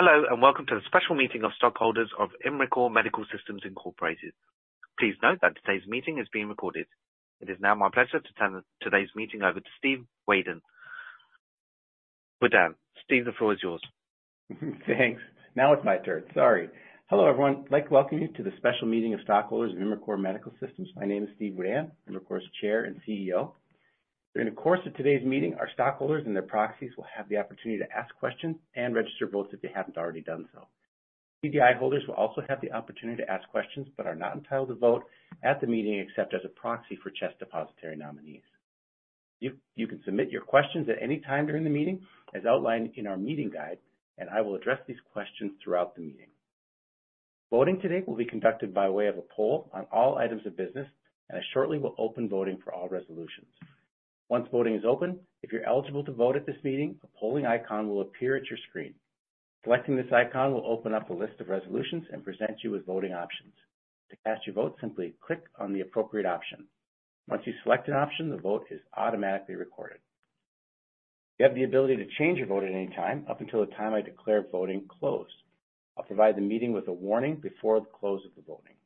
Hello and welcome to the special meeting of stockholders of Imricor Medical Systems Incorporated. Please note that today's meeting is being recorded. It is now my pleasure to turn today's meeting over to Steve Wedan. Wedan, Steve, the floor is yours. Thanks. Now it's my turn. Sorry. Hello everyone. I'd like to welcome you to the special meeting of stockholders of Imricor Medical Systems. My name is Steve Wedan, Imricor's Chair and CEO. During the course of today's meeting, our stockholders and their proxies will have the opportunity to ask questions and register votes if they haven't already done so. CDI holders will also have the opportunity to ask questions but are not entitled to vote at the meeting except as a proxy for CHESS Depositary Nominees. You can submit your questions at any time during the meeting as outlined in our meeting guide, and I will address these questions throughout the meeting. Voting today will be conducted by way of a poll on all items of business, and I shortly will open voting for all resolutions. Once voting is open, if you're eligible to vote at this meeting, a polling icon will appear at your screen. Selecting this icon will open up a list of resolutions and present you with voting options. To cast your vote, simply click on the appropriate option. Once you select an option, the vote is automatically recorded. You have the ability to change your vote at any time up until the time I declare voting closed. I'll provide the meeting with a warning before the close of the voting.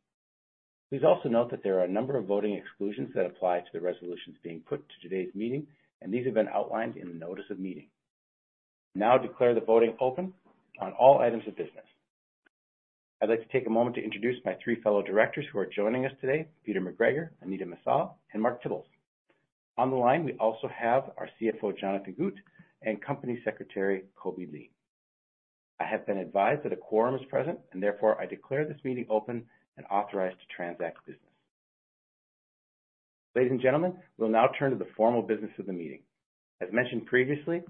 Please also note that there are a number of voting exclusions that apply to the resolutions being put to today's meeting, and these have been outlined in the Notice of Meeting. Now declare the voting open on all items of business. I'd like to take a moment to introduce my three fellow directors who are joining us today: Peter McGregor, Anita Messal, and Mark Tibbles. On the line, we also have our CFO, Jonathon Gut, and company secretary, Kobe Li. I have been advised that a quorum is present, and therefore I declare this meeting open and authorized to transact business. Ladies and gentlemen, we'll now turn to the formal business of the meeting. As mentioned previously,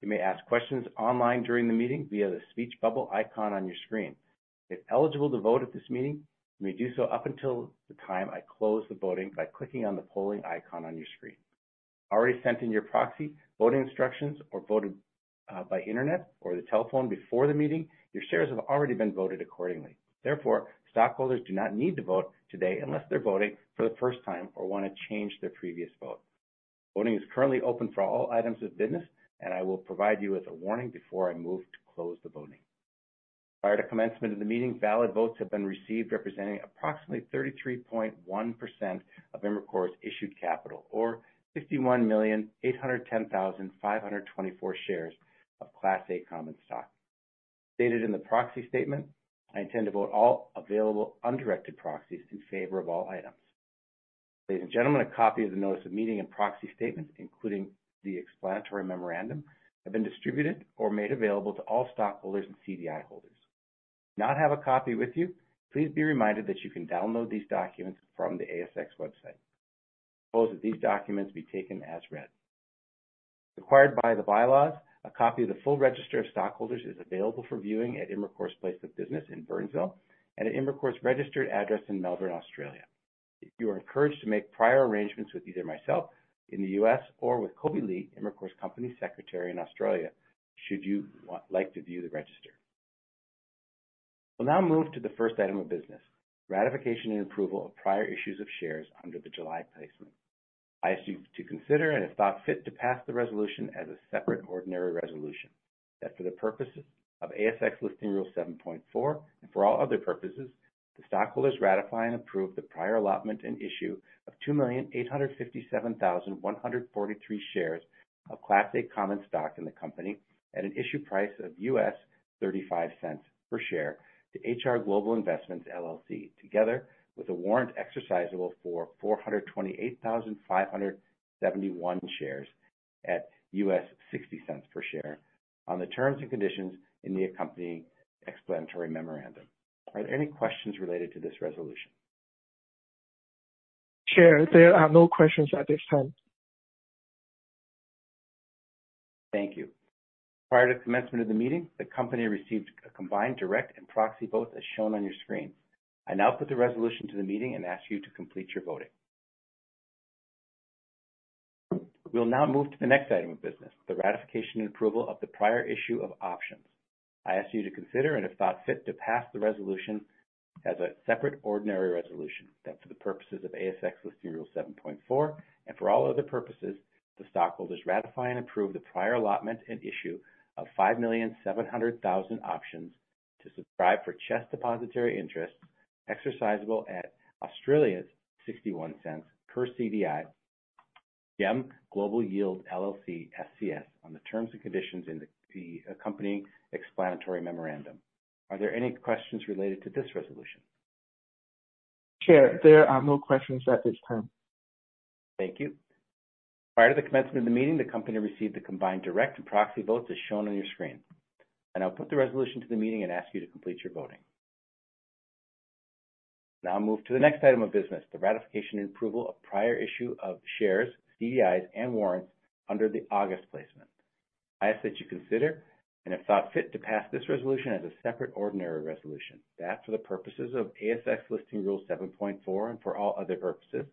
you may ask questions online during the meeting via the speech bubble icon on your screen. If eligible to vote at this meeting, you may do so up until the time I close the voting by clicking on the polling icon on your screen. Already sent in your proxy voting instructions or voted by internet or the telephone before the meeting, your shares have already been voted accordingly. Therefore, stockholders do not need to vote today unless they're voting for the first time or want to change their previous vote. Voting is currently open for all items of business, and I will provide you with a warning before I move to close the voting. Prior to commencement of the meeting, valid votes have been received representing approximately 33.1% of Imricor's issued capital, or 61,810,524 shares of Class A Common Stock. Stated in the proxy statement, I intend to vote all available undirected proxies in favor of all items. Ladies and gentlemen, a copy of the Notice of Meeting and proxy statements, including the Explanatory Memorandum, have been distributed or made available to all stockholders and CDI holders. If you do not have a copy with you, please be reminded that you can download these documents from the ASX website. I propose that these documents be taken as read. Required by the bylaws, a copy of the full register of stockholders is available for viewing at Imricor's place of business in Burnsville and at Imricor's registered address in Melbourne, Australia. You are encouraged to make prior arrangements with either myself in the U.S. or with Kobe Li, Imricor's company secretary in Australia, should you like to view the register. We'll now move to the first item of business: ratification and approval of prior issues of shares under the July Placement. I ask you to consider and, if thought fit, to pass the resolution as a separate ordinary resolution. That for the purposes of ASX Listing Rule 7.4 and for all other purposes, the stockholders ratify and approve the prior allotment and issue of 2,857,143 shares of Class A Common Stock in the company at an issue price of $0.35 per share to HR Global Investments, LLC, together with a warrant exercisable for 428,571 shares at $0.60 per share on the terms and conditions in the accompanying Explanatory Memorandum. Are there any questions related to this resolution? Chair, there are no questions at this time. Thank you. Prior to commencement of the meeting, the company received a combined direct and proxy vote as shown on your screen. I now put the resolution to the meeting and ask you to complete your voting. We'll now move to the next item of business: the ratification and approval of the prior issue of options. I ask you to consider and, if thought fit, to pass the resolution as a separate ordinary resolution. That for the purposes of ASX Listing Rule 7.4 and for all other purposes, the stockholders ratify and approve the prior allotment and issue of 5,700,000 options to subscribe for CHESS Depositary Interests exercisable at 0.61 per CDI, GEM Global Yield LLC SCS, on the terms and conditions in the accompanying Explanatory Memorandum. Are there any questions related to this resolution? Chair, there are no questions at this time. Thank you. Prior to the commencement of the meeting, the company received the combined direct and proxy votes as shown on your screen. I now put the resolution to the meeting and ask you to complete your voting. Now move to the next item of business: the ratification and approval of prior issue of shares, CDIs, and warrants under the August Placement. I ask that you consider and, if thought fit, to pass this resolution as a separate ordinary resolution. That for the purposes of ASX Listing Rule 7.4 and for all other purposes,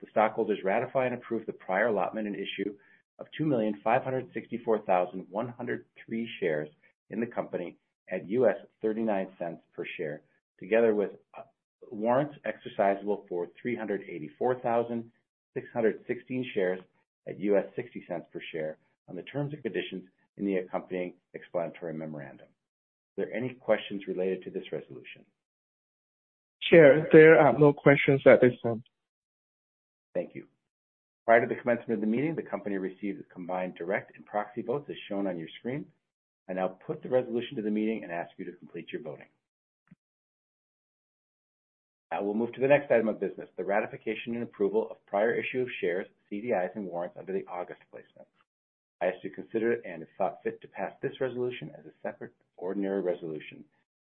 the stockholders ratify and approve the prior allotment and issue of 2,564,103 shares in the company at $0.39 per share together with a warrant exercisable for 384,616 shares at $0.60 per share on the terms and conditions in the accompanying Explanatory Memorandum. Are there any questions related to this resolution? Chair, there are no questions at this time. Thank you. Prior to the commencement of the meeting, the company received the combined direct and proxy votes as shown on your screen. I now put the resolution to the meeting and ask you to complete your voting. Now we'll move to the next item of business: the ratification and approval of prior issue of shares, CDIs, and warrants under the August Placement. I ask you to consider and, if thought fit, to pass this resolution as a separate ordinary resolution.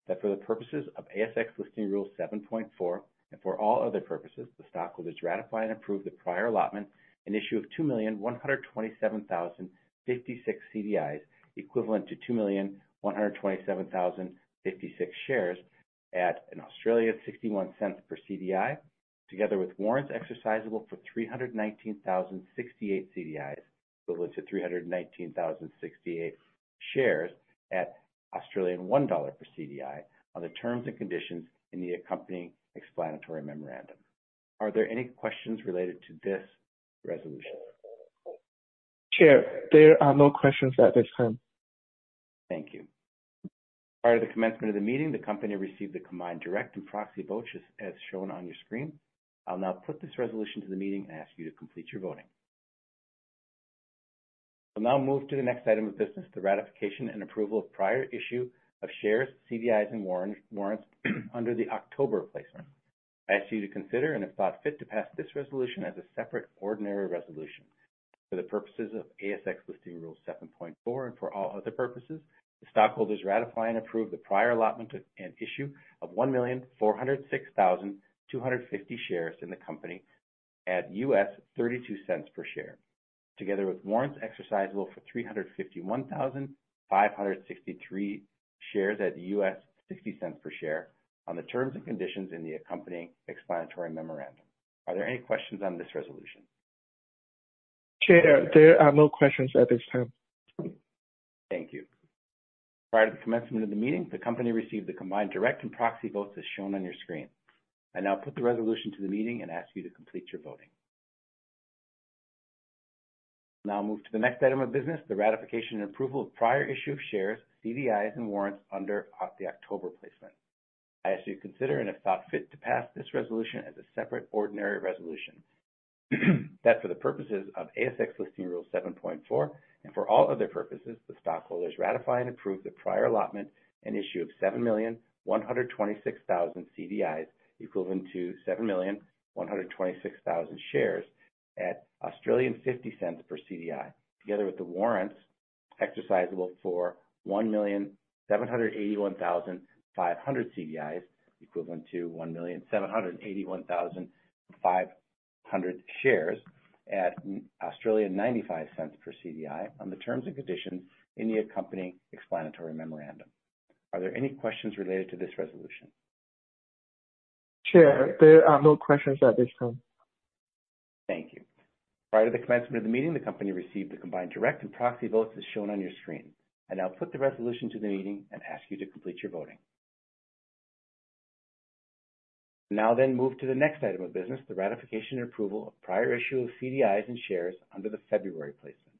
That for the purposes of ASX Listing Rule 7.4 and for all other purposes, the stockholders ratify and approve the prior allotment and issue of 2,127,056 CDIs equivalent to 2,127,056 shares at 0.61 per CDI together with warrants exercisable for 319,068 CDIs equivalent to 319,068 shares at 0.01 dollar per CDI on the terms and conditions in the accompanying Explanatory Memorandum. Are there any questions related to this resolution? Chair, there are no questions at this time. Thank you. Prior to the commencement of the meeting, the company received the combined direct and proxy votes as shown on your screen. I'll now put this resolution to the meeting and ask you to complete your voting. We'll now move to the next item of business: the ratification and approval of prior issue of shares, CDIs, and warrants under the October Placement. I ask you to consider and, if thought fit, to pass this resolution as a separate ordinary resolution. For the purposes of ASX Listing Rule 7.4 and for all other purposes, the stockholders ratify and approve the prior allotment and issue of 1,406,250 shares in the company at $0.32 per share together with warrants exercisable for 351,563 shares at $0.60 per share on the terms and conditions in the accompanying Explanatory Memorandum. Are there any questions on this resolution? Chair, there are no questions at this time. Thank you. Prior to the commencement of the meeting, the company received the combined direct and proxy votes as shown on your screen. I now put the resolution to the meeting and ask you to complete your voting. We'll now move to the next item of business: the ratification and approval of prior issue of shares, CDIs, and warrants under the October Placement. I ask you to consider and, if thought fit, to pass this resolution as a separate ordinary resolution. That for the purposes of ASX Listing Rule 7.4 and for all other purposes, the stockholders ratify and approve the prior allotment and issue of 7,126,000 CDIs equivalent to 7,126,000 shares at 0.50 per CDI together with the warrants exercisable for 1,781,500 CDIs equivalent to 1,781,500 shares at 0.95 per CDI on the terms and conditions in the accompanying Explanatory Memorandum. Are there any questions related to this resolution? Chair, there are no questions at this time. Thank you. Prior to the commencement of the meeting, the company received the combined direct and proxy votes as shown on your screen. I now put the resolution to the meeting and ask you to complete your voting. Now then move to the next item of business: the ratification and approval of prior issue of CDIs and shares under the February Placement.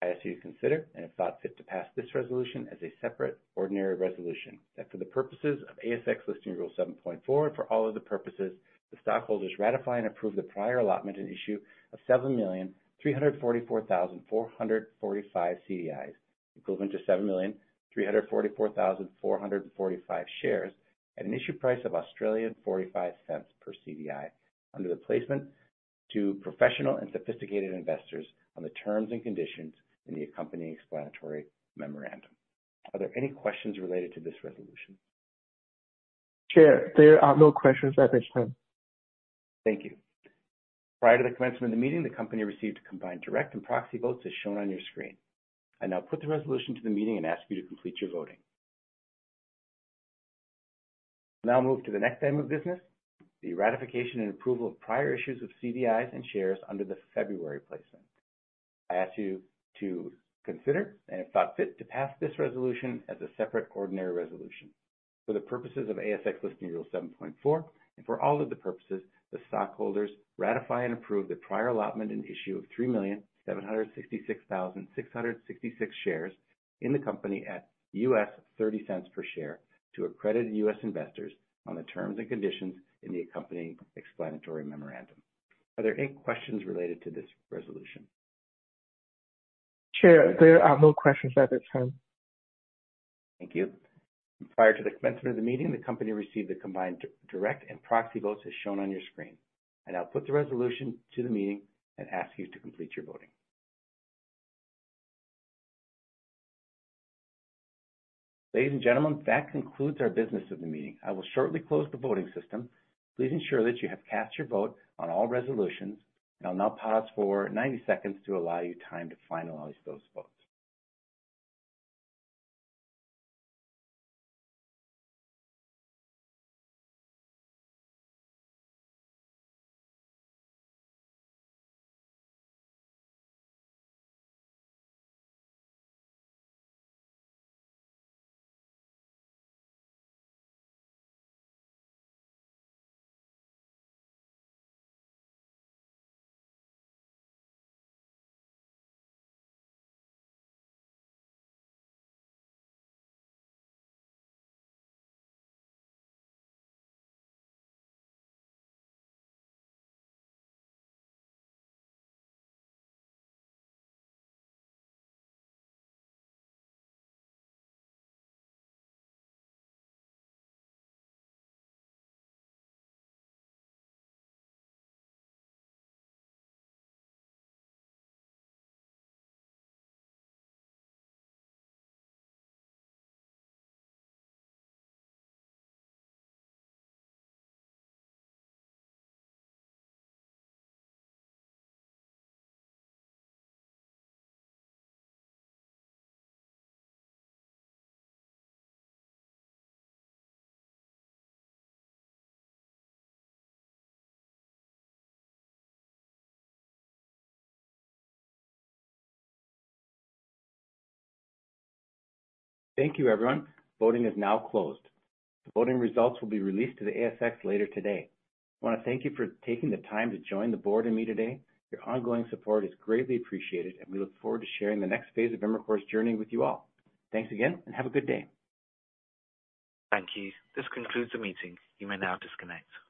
I ask you to consider and, if thought fit, to pass this resolution as a separate ordinary resolution. That for the purposes of ASX Listing Rule 7.4 and for all other purposes, the stockholders ratify and approve the prior allotment and issue of 7,344,445 CDIs equivalent to 7,344,445 shares at an issue price of 0.45 per CDI under the placement to professional and sophisticated investors on the terms and conditions in the accompanying Explanatory Memorandum. Are there any questions related to this resolution? Chair, there are no questions at this time. Thank you. Prior to the commencement of the meeting, the company received combined direct and proxy votes as shown on your screen. I now put the resolution to the meeting and ask you to complete your voting. We'll now move to the next item of business: the ratification and approval of prior issues of CDIs and shares under the February Placement. I ask you to consider and, if thought fit, to pass this resolution as a separate ordinary resolution. For the purposes of ASX Listing Rule 7.4 and for all other purposes, the stockholders ratify and approve the prior allotment and issue of 3,766,666 shares in the company at $0.30 per share to accredited U.S. investors on the terms and conditions in the accompanying Explanatory Memorandum. Are there any questions related to this resolution? Chair, there are no questions at this time. Thank you. Prior to the commencement of the meeting, the company received the combined direct and proxy votes as shown on your screen. I now put the resolution to the meeting and ask you to complete your voting. Ladies and gentlemen, that concludes our business of the meeting. I will shortly close the voting system. Please ensure that you have cast your vote on all resolutions. I'll now pause for 90 seconds to allow you time to finalize those votes. Thank you, everyone. Voting is now closed. The voting results will be released to the ASX later today. I want to thank you for taking the time to join the board and meet today. Your ongoing support is greatly appreciated, and we look forward to sharing the next phase of Imricor's journey with you all. Thanks again, and have a good day. Thank you. This concludes the meeting. You may now disconnect.